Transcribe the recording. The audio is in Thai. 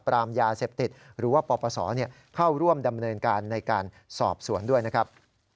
ปรามยาเสพติดหรือว่าปปศเข้าร่วมดำเนินการในการสอบสวนด้วยนะครับ